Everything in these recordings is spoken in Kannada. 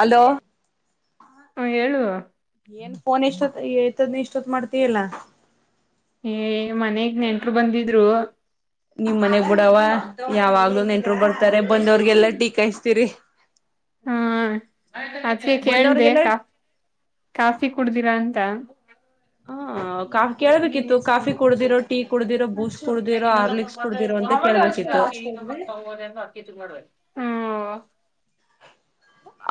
ಅಲೋ ಹ ಹೇಳು ಏನ್ ಫೋನ್ ಇಷ್ಟ ಹೇಳ್ತದ್ ಇಷ್ಟ್ ಇಷ್ಟೋತ್ ಮಾಡ್ತಿಯಲ್ಲ. ಏ ಮನೆಗ್ ನೆಂಟ್ರು ಬಂದಿದ್ರು. ನಿಮ್ ಮನೆಗ್ ಬುಡವಾ. ಯಾವಾಗ್ಲೂ ನೆಂಟ್ರು ಬರ್ತಾರೆ. ಬಂದವ್ರಗೆಲ್ಲ ಟೀಕಾಯಸ್ತೀರಿ. ಹಾ ಅದಕ್ಕೆ ಕೇಳ್ದೆ ಬಂದವ್ರಿಗೆಲ್ಲ ಕಾ ಕಾಫಿ ಕುಡ್ದಿರಾ ಅಂತ. ತ. ಹ ಕಾಫ ಕೇಳ್ಬೇಕಿತ್ತು. ಕಾಫಿ ಕುಡ್ದಿರೋ, ಟೀ ಕುಡಿದಿರೋ, ಬೂಸ್ಟ್ ಅಮ್ಯಾಗ ಕುಡ್ದಿರೋ ಇನ್ನೋ ನಂಬರ್ ಹಾರ್ಲಿಕ್ಸ್ ಮಾಡ್ರ ಕುಡ್ದಿರೋ ಅಂತ ಫೋನ್ ಇನ್ನ ಬಂದಿಲ್ಲ ಕೇಳ್ಬೇಕಿತ್ತು ಅಕ್ಕಿ ಈ ನಂಬರ್ ತಗೋದ ಅಂತ ಅಕ್ಕಿ ಮಾಡ್ಬೇಕ.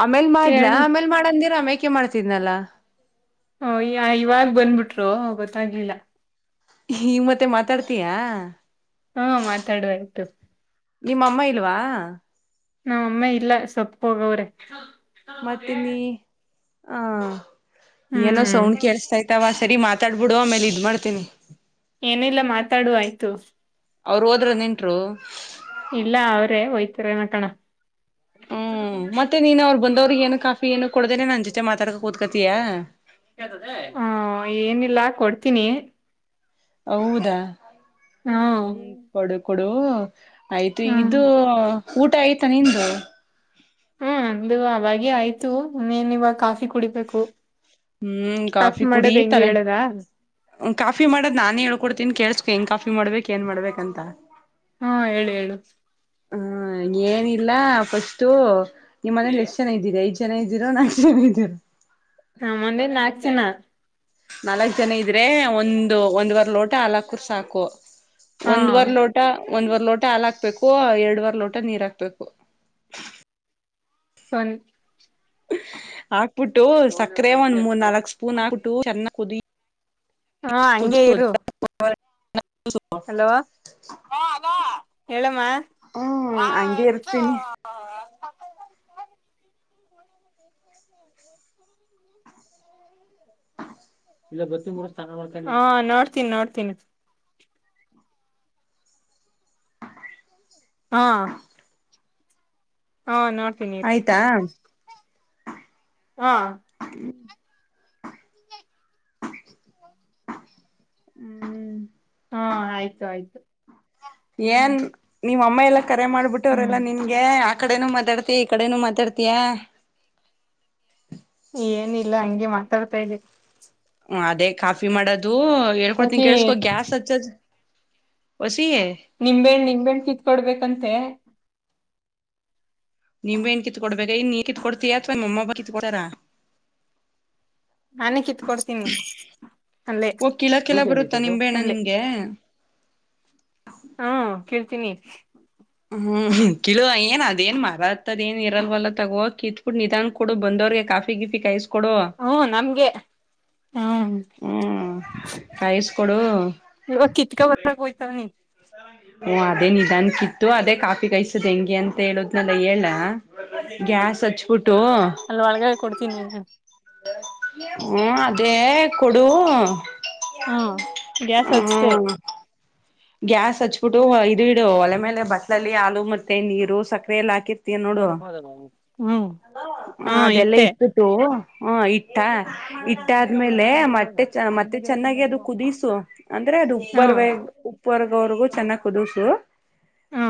ಆಮೇಲ್ ಮಾಡ್ಲಾ ಕೇಳ್ ಆಮೇಲ್ ಮಾಡಂದಿರ ಆಮೇಕೆ ಮಾಡ್ತಿದ್ನಲ್ಲ. ಹ ಈ ಇವಾಗ ಬಂದ್ಬಿಟ್ರು ಗೊತ್ತಾಗ್ಲಿಲ್ಲ. ಈ ಮತ್ತೆ ಮಾತಾಡ್ತಯಾ. ಹಾ ಮಾತಾಡುವ ಆಯಿತು. ನಿಮ್ಮಮ್ಮ ಇಲ್ವಾ, ನಮಮ್ಮ ಇಲ್ಲ ಸೊಪ್ಪಗ್ಗ್ ಹೋಗವ್ರೆ. ಮತ್ತೆ ನೀ ಆ ಏನೋ ಹ್ಮ್ ಸೌಂಡ್ ಕೇಳಸ್ತ ಆಯ್ತಾವ್ವಾ. ಸರಿ ಮಾತಾಡ್ಬಿಡು ಆಮೇಲೆ ಇದು ಮಾಡ್ತೀನಿ. ಏನಿಲ್ಲ ಮಾತಾಡುುವ ಆಯ್ತು. ಅವರು ಹೋದ್ರ ನೆಟ್ಟರು. ಇಲ್ಲ ಅವ್ರೇ ಒಯ್ತಾರೆ ನಕಣ. ಹ್ಮ್ ಮತ್ತೆ ನೀನ್ ಅವರು ಬಂದವ್ರಿಗೆ ಏನು ಕಾಫಿ ಏನು ಕೊಡ್ದೇನೆ ನನ್ ಜೊತೆ ಮಾತಾಡ್ಕ ಕುತ್ಕತೀಯಾ. ಹಾ ಏನಿಲ್ಲಾ ಕೊಡ್ತೀನಿ. ಹೌದಾ ಹಾ ಹ್ಮ ಕೊಡು, ಕೊಡು ಆಯ್ತು ಹ್ಮ್ ಇದು ಊಟ ಆಯ್ತಾ ನಿಂದು. ಹ್ಮ್ ಅ ಅವಾಗ ಆಯ್ತು ಇನೇನು ಇವಾಗ ಕಾಫಿ ಕುಡಿಬೇಕು ಹ್ಮ್ ಕಾಫಿ ಕುಡಿ ಮಾಡದ್ ಹೆಂಗೆ ತಲೆ ಹೇಳದ, ಕಾಫಿ ಮಾಡದ್ ನಾನೇ ಹೇಳ್ಕೊಡ್ತೀನ್ ಕೇಳಸ್ಕ್ ಹೆಂಗ್ ಕಾಫಿ ಮಾಡ್ಬೇಕೇಕ್ ಏನ್ ಮಾಡ್ಬೇಕ ಅಂತ. ಹಾ ಹೇಳು, ಹೇಳು ಹ್ಮ ಏನಿಲ್ಲ ಫಸ್ಟು ನಿಮ್ಮ್ ಮನೇಲಿ ಎಷ್ಟು ಜನ್ನ್ದೀರೆ, ಐದ ಜನ ಇದ್ದೀರಾ ಏನ್ ನಾಕ್ ಜನ ಇದ್ದೀರಾ ನಮ್ಮಂದೆ ನಾಕ್ ಜನ. ನಾಲ್ಕ್ ಜನ ಇದ್ರೆ ಒಂದು ಒಂದ್ ವರ್ ಲೋಟ ಅಲಕೂರ್ ಸಾಕು, ಹಾ ಒಂದ್ ವರ್ ಲೋಟ, ಒಂದ್ ವರ್ ಲೋಟ ಹಾಲಾಕ್ಬೇಕು, ಎರಡುವರ್ ಲೋಟ ನೀರ್ ಹಾಕ್ಬೇಕು, ಒನ್ ಹಾಕ್ಬಿಟ್ಟು ಸಕ್ಕರೆ ಒಂದ್ ಮೂರ್ ನಾಲ್ಕ್ ಸ್ಪೂನ್ ಹಾಕ್ಬಿಟ್ಟು ಚೆನ್ನ ಕುದಿ ಹಾ ಹಂಗೆ ಕುದಿಸೋದು ಇರು, ಹಲೋ ಹೇಳಮ್ಮ, ಹ್ಮ್ ಹಂಗೆ ಇರ್ತೀನಿ. ಹಾ ನೋಡ್ತೀನಿ, ನೋಡ್ತೀನಿ, ಹಾ, ಹಾ ನೋಡ್ ಆಯ್ತಾ, ಹಾ, ಹ್ಮ, ಹ್ಮ್. ಹಾ ಆಯ್ತು, ಆಯ್ತು ಹ್ಮ. ಏನ್ ನಿಮ್ ಅಮ್ಮ ಎಲ್ಲಾ ಕರೆ ಮಾಡ್ಬಿಟ್ಟವರೆಲ್ಲಾ ನಿನ್ಗೆ ಆ ಕಡೆನು ಮಾತಾಡ್ತ ಈ ಕಡೆನೂ ಮಾತಾಡ್ತಯಾ. ಏನಿಲ್ಲ ಹಂಗೆ ಮಾತಾಡ್ತಾ ಇದೀನಿ. ಹ ಅದೇ ಕಾಫಿ ಮಾಡೋದು ಓಕೆ ಹೇಳ್ಕೊಡ್ತನ್ ಕೇಳಸ್ಕೋ ಗ್ಯಾಸ್ ಹಚ್ಚದ, ನಿಂಬೆಣ, ನಿಂಬೆಣ್, ಕಿತ್ಕೊಡ್ಬೇಕಂತೆ. ನಿಂಬೆಹಣ್ಣಿ ಕಿತ್ಕೊಡ್ಬೇಕ ಇನ್ ನೀ ಕಿತ್ಕ ಕೊಡ್ತೀಯಾ ಅಥವಾ ನಿಮ್ಮಮ್ಮ ಕಿತ್ಕ ಕೊಡ್ತಾರ. ನಾನೇ ಕಿತ್ಕೊಡ್ತೀನಿ ಅಲ್ಲೇ ಓ ಕಿಳಕ್ಕೆಲ್ಲ ಬರುತ್ತಾ ನಿಂಬೆಣ್ಣ ಇಲ್ಲೇ ನಿಂಗೆ ಹ್ಮ ಕೀಳ್ತೀನಿ ಹ್ಮ್ ಕಿಳು ಏನ್ ಅದೇಏನ್ ಮರತ್ದ ಏನ್ ಇರಲ್ವಲ್ಲ ತಗೋ ಕ ಇತ್ಬಿಟ್ಟು ನಿಧಾನ ಕಡ ಬಂದ ಯ ಕಾಫಿ ಗಿಫಿ ಕಾಯಿಸಿ ಹ್ಮ ನಮ್ಗೆ ಹ್ಮ್ ಹ್ಮ್ ಕಾಯಿಸ್ಕೊಡು ಈಗ ಕಿತಕ ಬರಕ್ಕೆ ಹೋಗ್ತಾನೆ ಓ ಅದೇ ನಿಧಾನಕ್ಕಿತ್ತು ಅದೇ ಕಾಫಿ ಕಾಯಸದ್ ಹೆಂಗೆ ಅಂತ ಹೇಳುದ್ನೆಲ್ಲ ಹೇಳ ಗ್ಯಾಸ್ ಹಚ್ಬಿಟ್ಟು ಅಲ್ಲಿ ಒಳಗಡೆ ಕೊಡ್ತೀನಿ ಹ್ಮ ಅದೇ ಕೊಡು ಹಾ ಗ್ಯಾಸ್ ಹಚ್ತೆ ಹ ಗ್ಯಾಸ್ ಹಚ್ಬಿಟ್ಟು ಇದು ಇಡು ಒಲೆ ಮೇಲೆ ಬಟ್ಲಲ್ಲಿ ಹಾಲು ಮತ್ತೆ ನೀರು ಸಕ್ಕರೆ ಎಲ್ಲ ಹಾಕಿ [unintelligible] ಹ್ಮ ಹ ಅದೆಲ್ಲ ಇಟ್ಟಬಿಟ್ಟು ಹ ಇಟ್ಟ ಇಟ್ಟ ಆದ್ಮೇಲೆ ಮತ್ತೇ ಚ ಮತ್ತೆ ಚೆನ್ನಾಗಿ ಅದು ಕುದಿಸು ಅಂದ್ರೆ ಅದು ಹಾ ಉರ್ ಉರ್ ವರೆಗೂ ಚೆನ್ನಾಗಿ ಕುದುಸು ಹಾ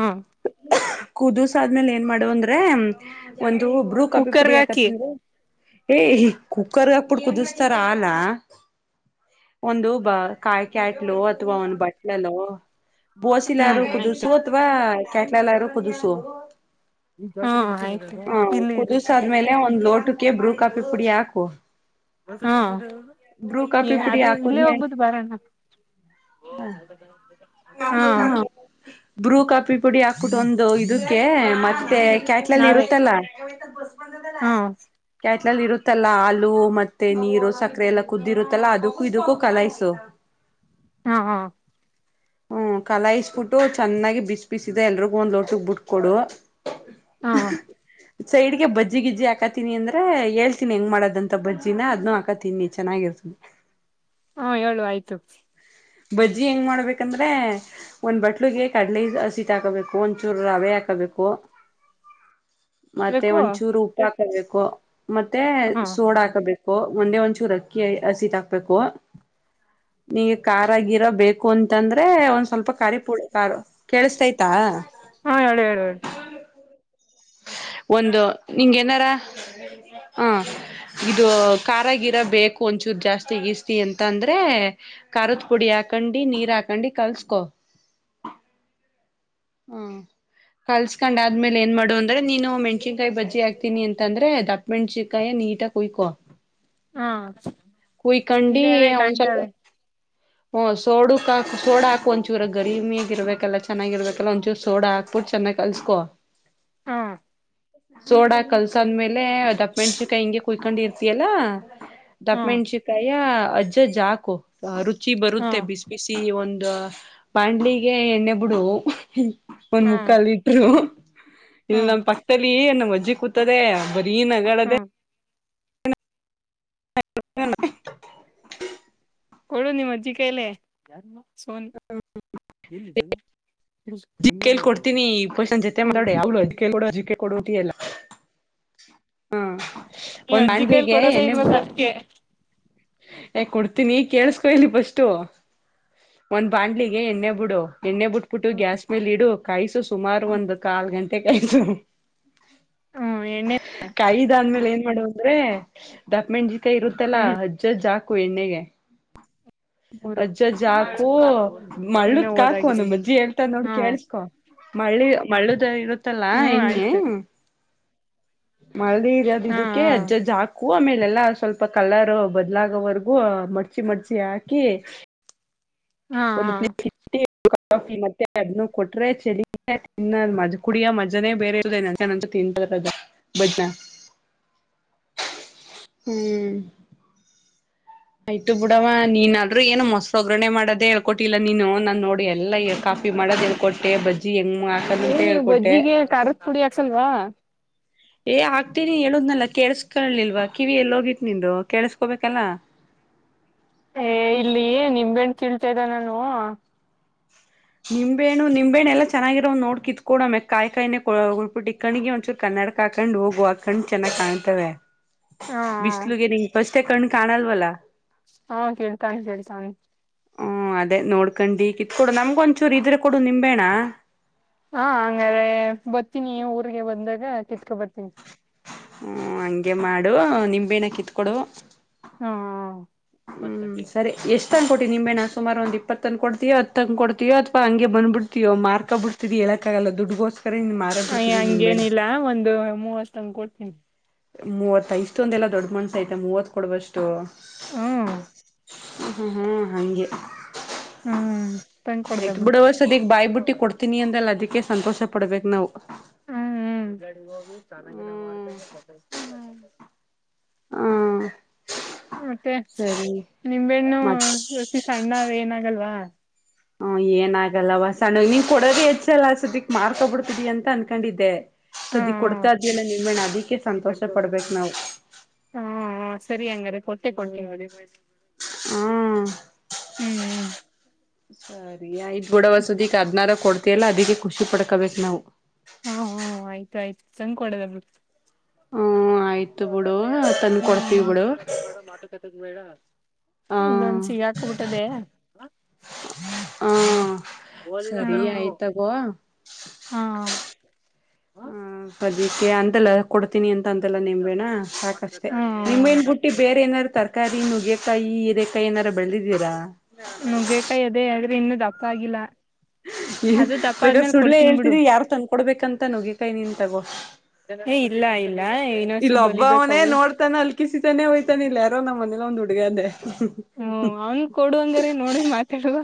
ಕುದಿಸಿ ಆದ್ಮೇಲೆ ಏನ್ ಮಾಡುವ ಅಂದ್ರೆ ಒಂದು ಬುರೃ ಕಾಫಿ ಪುಡಿ ಕುಕ್ಕರ್ಗ ಹಾಕಿ ಏ ಈ ಕುಕ್ಕರ್ಗೆ ಅಪ್ಪಡು ಕುದಿಸಾತರ ಹಾಲ ಒಂದು ಬ ಕಾಯಕ್ಯಾಟ್ಲು ಅಥವಾ ಒಂದು ಬಟ್ಲಲ್ ಬೋಸಿಲಾರೂ ಹ್ಮ್ ಕುದರ್ಸು ಆಯ್ತು ಅಥವಾ ಕೆಟಲ್ ಅದುರ್ರಕುದರ್ಸು ಹ್ಮ್ ಆಯ್ತು ಹಾ ಇಲ್ಲಿ ಇದು ಕುದಸ ಆದ್ಮೇಲೆ ಒಂದು ಲೋಟಕ್ಕೆ ಬ್ರೂ ಕಾಫಿ ಪುಡಿ ಹಾಕು ಹ ಬ್ರೂ ಕಾಫಿ ಏ ಪುಡಿ ಅದೇ ಇಲ್ಲೇ ಹಾಕುದ್ಮೇಲೆ ಹೋಗ್ಬೋದು ಬರಣ ಓ ಸಾ [unintelligible] ಹ ಬ್ರೂ ಕಾಫಿ ಪುಡಿ ಹಾಕ್ಬಿಟ್ಟ ಒಂದು ಇದು ಮೆತೆ ಕ್ಯಾಟ್ಲಲ್ಲಿ ನಾವೇ ಇರುತ್ತಲ್ಲ ಹಾ ಲಲ್ಲಿ ಇರುತ್ತಲ್ಲಾ ಹಾಲು ಮತ್ತೆ ನೀರು ಸಕ್ಕರೆ ಎಲ್ಲ ಕುದ್ದಿರುತ್ತಲ್ಲಾ ಅದಕ್ಕೂ ಇದಕ್ಕೂ ಕಲಾಯಸು [inaudible] ಹಾ ಹಾ ಹ್ಮ್ ಕಲಾಯಿಸಬಿಟ್ಟು ಚೆನ್ನಾಗಿ ಬಿಸಿ ಬಿಸಿದ ಎಲ್ರಿಗೂ ಒಂದ್ ಲೋಟ ಬಿಟ್ಕೊಡು ಹಾ ಸೈಡೀಗೆ ಬಜ್ಯಿ ಗಜ್ಯೀ ಹಾಕತೀನಿ ಅಂದ್ರ ಹೇಳ್ತಿನಿ ಹೆಂಗ್ ಮಾಡೋದಂತ ಬಜ್ಜಿನ ಅದ್ನು ಹಾಕತೀನಿ ಚನ್ನಾಗಿರ್ತ್ತ [inaudible] ಹಾ ಹೇಳು ಆಯ್ತು ಬಜ್ಜಿ ಹೆಂಗ್ ಮಾಡ್ಬೇಕಂದ್ರೆ ಒಂದ್ ಬಟ್ಲುಗೆ ಕಡಲೆ ಹಸಿಟ್ ಹಾಕೋಬೇಕು ಒಂದ ಚೂರು ರವೆ ಹಾಕ ಹಕಬೇಕು ಮತ್ತೆ ಬೇಕು ಒಂದಚೂರು ಉಪ್ಪು ಹಾಕಬೇಕು ಮತ್ತೆ ಹಾ ಸೋಡ ಹಾಕಬೇಕು ಒಂದೆ ಒಂಚೂರು ಅಕ್ಕಿ ಹಸಿಟ್ ಹಾಕ್ಬೇಕು ನೀ ಖಾರ ಗೀರ ಬೇಕು ಅಂತಂದ್ರೆ ಒಂದ ಸ್ವಲ್ಪ ಖಾರ ಪೂಡಿ ಕಾರು ಕೇಳಿಸಸ್ತೈತಾ ಹಾ ಹೇಳಿ ಹೇಳು ಹೇಳಿ ಒಂದು ನಿಂಗೆ ಏನಾರ ಹಾ ಇದು ಖಾರ ಗಿರ ಬೇಕು ಒಂಚೂರ್ ಜಾಸ್ತಿಗಸ್ತಿ ಅಂತ ಅಂದ್ರೆ ಖಾರದ ಪುಡಿ ಹಾಕ ಹಾಕೊಂಡಿ ನೀರ್ ಹಾಕೊಂಡಿ ಕಲ್ಸ್ಕೋ ಹ್ಮ ಕಲ್ಸ್ಕೊಂಡ್ ಆದ್ಮೇಲೆ ಏನ್ ಮಾಡುವಂತ ಅಂದ್ರೆ ನೀನು ಮಣಸನ್ಕಾಯಿ ಬಜ್ಜ ಹಾಕ್ತೀನಿ ಅಂತಂದ್ರೆ ದಪ್ಪ ಮೆಣಸನ್ಕಾಯ ನೀಟಾಗಿ ಕುಯ್ಕೋ ಹಾ ಕುಯ ಕಂಡಿ ಇಲ್ಲೇ ಅವೇ ಅವ ಕಾಣ್ತಾವೆ ಹ ಸೋಡಕ್ ಹಾಕ್ ಸೋಡಾ ಹಾಕ್ ಒಂಚೂರ ಗರಿಮಿ ಇರ್ಬೇಕಲ್ಲ ಚೆಾಗಿರ್ಬೇಕಲ್ಲ ಒಂಚೂ ಸೋಡ ಹಾಕ್ಬಿಟ್ಟು ಚೆನ್ನಾಗಿ ಕಳ್ಸ್ಕೋ ಹಾ ಸೋಡ ಕಲ್ಸಾದ್ಮೇಲೆ ದಪ್ಪ ಮೆಣಸಕಾಯಿ ಹಿಂಗೆ ಕುಯ್ಕೊಂಡ ಇರ್ತಿಯಲ್ಲಾ ಹಾ ದಪ್ಪಮೆಣಸಿಕಾಯ ಅಜ್ಜ್ಕು ರುಚಿ ಹಾ ಬರುತ್ತೆ ಬಿಸಿ ಬಿಸಿ ಒಂದು ಬಾಂಡ್ಲಿಗೆ ಎಣ್ಣೆ ಬಿಡು ಒಂದ್ ಹಾ ಮುಕ್ಕಲ್ ಇಟ್ರು ಹಾ ಇಲ್ ನಮ್ಮ್ ಪಕ್ಕದಲ್ಲಿ ನ್ ಅಜ್ಜಿ ಕೂತದೆ ಬರೀ ಹಾ ನಗಳದೆ ಹ ಕೊಡು ನಿಮ್ಮ ಅಜ್ಜಿ ಕೈಲೆ ಸೋನಿ ಕೇಳ್ಕ ಕೊಡ್ತೀನಿ ಫಸ್ಟ್ ಜೊತೆ ಮಾ ನಿಮ್ ಅವ ಕೊಡಟಿಯಲ್ಲ ಹ್ಮ ಒಂದ್ ಅಜ್ಜಿ ಕೈಲಿ ಆಂಡಲಿಗೆ ಕೊಡೋದೇ ಎಣ್ಣೆ ಬಿಡು ಇಲ್ವಲ್ಲ ಅದ್ಕೆ ಏ ಕೊಡ್ತೀನಿ ಕೇಳಸ್ಕೊ ಇಲ್ಲಿ ಪಸ್ಟು ಒಂದ್ ಬಾಣ್ಲಿಗೆ ಎಣ್ಣೆ ಬಿಡು ಎಣ್ಣೆ ಬಿಟ್ಬಿಟ್ಟು ಗ್ಯಾಸ್ ಮೇಲೆ ಇಡು ಕಾಯಿ ಸುಸ್ ಸುಮಾರು ಒಂದು ಕಾಲ್ ಗಂಟೆ ಕಾಯ್ಸ್ ಹ್ಮ್ ಎಣ್ಣೆ ಕಾಯ ದಾದ್ಮೇಲೆ ಏನ್ ಮಾಡುವ ಅಂದ್ರೆ ದಪ್ಪ ಮೆಣಜಿ ಅಕ್ಕ ಇರುತ್ತಲ್ಲಾ ಹ್ಮ್ ಅಜ್ಜ್ ಜಾಕು ಎಣ್ಣೆಗೆ ಮೂರು ಅಜ್ಜಜ್ಜ ಹಾಕೋ ಮದ ಇನ್ನ ಕಾಕೋ ಓದಾಗಿದೆ ನಮ ನೀ ಅಜ್ಜಿ ಹೇಳ್ತಾ ನೋಡ್ ಹಾ ಕೇಳಸ್ಕೊ ಮಳ್ಳಿ ಮಳ್ಳುದ ಇರುತ್ತಲ್ಲಾ ಹ್ಮ್ ಎಣ್ಣೆ ಆಯ್ತು ಮಳದಿ ಇರೋ ಹಾ ಇದಕ್ಕೆ ಹಾ ಅಜ್ಜ್ ಹಾಕ ಆಮೇಲೆ ಎಲ್ಲಾ ಸ್ವಲ್ಪ ಕಲರ್ ಬ ಎಲ್ಲಾಗವರ್ಗೂ ಮಡ್ಚಿ ಮಡ್ಚಿ ಹಾಕಿ ಹಾ ಒಂದು ಹಾ ಪ್ಲೇಟ್ ಇಟ್ಟು ಕಾಫಿ ಮತ್ತೆ ಅದನ್ನು ಕೊಟ್ರೆ ಚೆಲ ತಿನ್ನ್ ಕುಡಿಯ ಮಜಾನೆ ಬೇರೆ ಇ ತಿಂತರದ ಬಜಜ [inaudible] ಹ್ಮ್ ಆಯ್ತು ಬುಡವ ನೀನ್ ಆದ್ರೂ ಏನು ಮೊಸರು ಒಗ್ಗರಣೆ ಮಾಡೋದೇ ಹೇಳ್ಕೊಟ್ಟಿಲ್ಲ ನೀನು ನಾನ್ ನೋಡಿ ಎಲ್ಲ ಕಾಫ ಮಡದ ಕೊಟ್ಟೆ ಬದ ಏನ ಬೊಜ್ಜಿಗೆ ಖಾರದ ಪುಡಿ ಯಾಕ್ಸಲ್ವಾ ಏ ಆಗ್ತೀನಿ ಹೇಳುದ್ನಲ್ಲ ಕೇಸ್ಕೊಳ್ಳಲಿಲ್ವಾ ಕಿವಿ ಎಲ್ಲಿ ಹೋಗಿತ್ತು ನಿಂದ ಕೇಸ್ಕೋಬೇಕಲ್ಲ [inaudible] ಏ ಇಲ್ಲಿ ನಿಂಬೆನ್ ಕಿಲ್ತಿದ್ನ ನಾನು ನಿಂಬೆಣು ನಿಂಬೆಣ್ಣ ಎಲ್ಲ ಚೆನ್ನಾಗಿರೋ ನೋಡ್ ಕಿತ್ಕ ಕೊೋ ಮೆ ಕಾಯಿ ಕಾಯಿ ಉಬಿಟ್ಟಿ ಕಣ್ಣಿ ಒಂದಚೂರು ಕಣ್ಣ ಕನಡ್ಕಾಕಂಡ್ ಹೋಗು ಹಾಕಂಡ್ ಚೆನ್ನಾಗ್ ಕಾಣ್ತವೆ ಹಾ ಬಿಸ್ಲುಗೆ ನೀ ಪಷ್ಟೆ ಕಣ್ಣು ಕಾಣಲ್ವಲ್ಲಾ ಹಾ ಕೇಳ್ತಾನೆ ಕೇಳ್ತಾನ ಹ್ಮ ಅದೇ ನೋಡ್ಕಂಡಿ ಕಿತ್ಕೊಡು ನಮ್ಗ ಒಂಚೂರು ಇದ್ರೆ ಕೊಡು ನಿಂಬೇಣ ಹಾ ಹಂಗಾರೆೆ ಬರ್ತೀನಿ ಊಗೆ ಬಂದಾಗ ಕಿತ್ಕೊ ಬರ್ತೀನಿ ಹ್ಮ ಹಂಗೆ ಮಾಡು ನಿಂಬೆನ ಕಿತ್ಕೊಡು ಹಾ ಹ್ಮ್ ಸರಿ ಎಷ್ಟ ಕೊ ನಿಂಬೆ ನಾ ಸುಾರ ಒಂದ ಇಪ್ಪತ್ತಂದ ಕೊಡ್ತೀವ ಹ ಕೊಡ್ತೀವ ಅಥವಾ ಹಂ ಬ್ಬ ಬಿಡ್ತವೋ ಮಾರ್ಕ್ ಬಿಡ್ ಇರ್ತಿ ಹೇಳಕ್ಕ ಆಗಲ್ಲ ದುಡ್ಗೋಸ್ಕರ ನೀನ್ ಮಾರಾ ಅಯ್ಯ ಬಿಡ್ತೀವಿ ನಿಂಬೆಣ ಹಂಗೇನಿಲ್ಲ ಒಂದು ಮೂವತ್ ತಂಗ ಕೊಡ್ತೀನಿ ಮೂವತ್ ಇಷ್ಟೊಂದ ಎಲ್ಲಾ ದೊಡ್ಡ ಮನ್ಸ ಐತೆ ಮೂವತ್ ಕೊಡುವಷ್ಟು ಹ್ಮ್ ಹ್ಮ್ ಹ್ಮ್ ಹಂಗೆ ಹ್ಮ್ ತಂಗ ಕೊಡ್ದ ಆಯ್ತ್ ಬಿಡು ಬಿಡೂ ಸದ್ಯಕ್ಕೆ ಬಾಯ್ಬ ಬಿಟ್ಟಿ ಕೊಡ್ತೀನಿ ಅಂದಲ್ಲ ಅದಿ ಕೆ ಸಂತೋಷ ಪಡ್ಬೇಕು ನಾವು ಗ ಹೋಗ ಚೆನ್ನಾಗಿನ ಮಾಡ್ತ ಹ್ಮ ಮತ್ತೆ ನಿಂಬೆಣ್ಣು ಮತ್ ದೋಸಿ ಸಣ್ಣ ಏನಾಗಲ್ವಾ ಹ ಏನಾಗಲ್ಲವ ಸಣ್ಣ ನೀವ್ ಕೊಡದೇ ಹೆಚ್ಚ ಎಲ್ಲ ಅಸತಿ ಮಾಡ್ಕೊಬಿಡ್ತಿದಿ ಅಂತ ಅನ್ಕೊಂಡಿದ್ದೆ ಹಾ ಸದ್ದಿ ಕೊಡ್ತಾ ಇದಿಲ್ಲ ನಿಮ್ಮೇಣ ಅದಕ್ಕೆ ಸಂತೋಷ ಪಡ್ಬೇಕು ನಾವು ಹಾ ಸರಿ ಹಂಗಾರೆ ಕೊಟ್ಟೇ ಕೊಂಡಿ ಹ ಹ್ಮ್ ಹ್ಮ್ ಹ್ಮ್ ಸರಿಯಯ್ತು ಗುಡವಸತಿಗೆ ಹದ್ನಾರ ಕೊಡ್ತಯಲ್ಲ ಅದಕ್ಕೆ ಖುಷಿ ಪಡ್ಕೋಬೇಕು ನಾವು ಹಾ ಆಯ್ತ ಆಯ್ತು ಸಂಕಡದ ಬ ಹೂ ಆಯ್ತು ಇ ಅಜ ಬಿಡು ಮ ಆಗ ಬೇಡ ತಂದ್ ಬ ಕೊಡ್ತೀವಿ ಬಿಡು ಅನ್ನೋದು ಬೇಡ ಮಾತು ಕತಿ ಬೇಡ ಹ ಇನ್ನೊಂದ ಸಿಗಾಕಬಿಟ್ಟದೆ ಹ ಸರಿ ಹೂ ಆಯ್ತ್ ತಗೋ ಹ ಹಾ ಹ ಅದಕ್ಕೆ ಅಂತಲ್ಲ ಕೊಡ್ ಿ ಅಂತ ಅಂತೆಲ್ಲ ನಿಂಬೇಣ್ಣ ಸಾಕಷ್ಟೆ ನಿಂಬೇಣ ಬುಟ್ಟಿ ಬೇರೆ ಏನಾದಾರ್ ತರಕಾರಿ ನುಗ್ಗೆಕಾಯಿ ನುಗ್ಯ ಕೈ ಏನಾರು ಬೆಳದಿದ್ದೀರಾ ನುಗ್ಗಕಾಯಿ ಅದೇ ಆದ್ರೆ ಇನ್ನುೂ ದಪ್ಪ ಆಗಿಲ್ಲ ಈ ಅದು ದಪ್ಪ ಬೇಗ ಆದ್ಮೇಲೆ ಸುಳ್ಳಲೇ ಕೊಡ್ತೀನ್ ಬಿಡು ಹೇಳ್ತಿದಿ ಯಾರು ತಂದಕೊಡ್ಬೇಕಂತ ನಗಿಕಾಯ ನಿನ್ ತಗೋ ಹೇ ಇಲ್ಲ ಆ ಇಲ್ಲ ಒಬ್ಬವನೇ ನೋಡ್ತಾನ ಅಲ್ಕಿಸಿತಾನೆ ಹೋಯ್ತಾನೆ ಇಲ್ಲ ಯಾರೋ ನಮ್ಮ ಮನೇಲ್ಲ ಒಂದ್ ಹುಡುಗ ಅದೇ ಹ ಅವನ್ ಕೊಡು ಹಂಗರಿ ನೋಡ ಮಾತಾಡುವ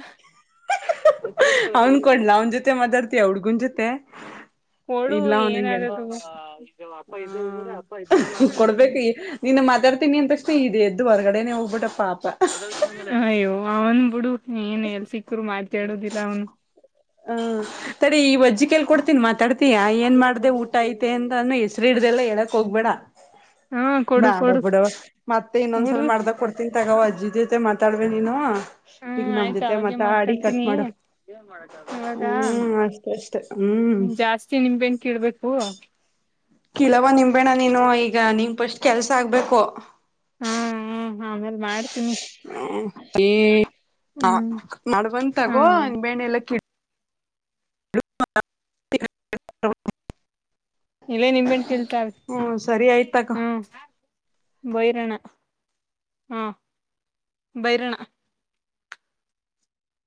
ಅವನ್ ಕೊಡ್ಲ ಅವನ್ ಜೊತೆ ಮಾತಾಡ್ತಿ ಅವಾವಡ್ಗುನ್ ಜೊತೆ ಕೊಡು ಇಲ್ಲ ಅವ್ನು ಏನಾಗದು ಹ ಕೊಡ್ಬೇಕು ನೀ ಮಾತಾಡ್ತೀನಿ ಆದ್ ತಕ್ಷಣೆ ಇದೆ ಎದ್ದ ಹೊರ್ಗಡೆನೆ ಹೋಗ್ಬಿಟ್ಟಪ್ಪಾ ಅಯ್ಯೋ ಅವ್ನು ಬಿುಡು ಏನ್ ಎಲ್ ಸಿಕ್ಕರು ಮಾತಾಡುದಿಲ್ಲ ಅವ್ನು ಹ ತಡೆ ಈ ವಜ್ಜಿಕ ಎಲ್ಲಿ ಕೊಡ್ತೀನಿ ಮಾತಾಡ್ ಾ ಏನ್ ಮಾಡ್ದ ಊಟ ಐತೆ ಅಂತ ಅಾನ ಹೆಸರಿ ಇಡ್ದಲ್ಲ ಹೇಳಕ್ೋಗ್ಬೇಡ ಹಾ ಕೊಡು ಬ್ಯಾಡ ಕೊಡು ಬಿದವ್ವ ಮತ್ತೆ ಇನ್ನೊಂದ್ಸಲ ಬಿಡು ಮಾಡ್ದಾಗ ಕೊಡ್ತೀನ್ಿ ತಗೋ ಅಜ್ಜಿಿದತೆ ಮತ್ತೆ ತಡಬೆ ನೀನು ಹೂ ಈಗ ನಮ್ ಆಯ್ತು ಜೊತೆ ಅವಾಗೆ ಮಾತಾಡಿ ಕಟ್ ಮಾತಾಡ್ತೀನಿ ಮಾಡು ಅವಾಗಾ ಹ್ಮ್ ಅಷ್ಟೇ ಅಷ್ಟೆ ಹ್ಮ್ ಜಾಸ್ತಿ ನಿಂಬೆನ್ ಕೀಳ್ಬೇಕು ಕೀಳವ್ವ ನೀನು ನಿಂಬೆಣ್ಣ ನೀನು ಈಗ ನಿನ್ಪಷ್ಟ್ ಕೆಲ್ಸ ಆಗ್ಬೇಕು ಹಾ ಹ ಆಮೇಲ್ ಮಾಡ್ತೀನಿ ಹ ಈ ಹ್ಮ್ ಮಾಡಬ ಹಾ ತಗೋ ಬಣೆ ಎಲ್ಲ ಕಿ ಕೀಳು ಇವೇ ನಿಂಬೆಹಣ್ಣು ಕೇಳ್ತ ಹ್ಮ್ ಸರಿ ಆಯ್ತ್ ತಗೋ. ಹೂ ಭೈರಣ ಹಾ ಬೈರನ